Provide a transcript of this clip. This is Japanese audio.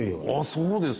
そうですか。